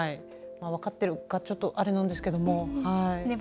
分かってるかちょっと、あれなんですけども。